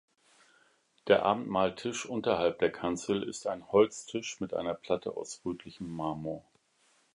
Der Abendmahlstisch unterhalb der Kanzel ist ein Holztisch mit einer Platte aus rötlichem Marmor.